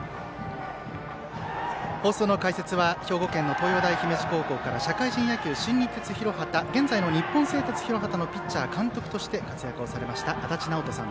放送の解説は兵庫県の東洋大姫路高校から社会人野球、新日鉄広畑現在の日本製鉄広畑のピッチャー、監督として活躍されました、足達尚人さん。